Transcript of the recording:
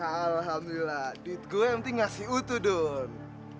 alhamdulillah duit gue mending ngasih itu dong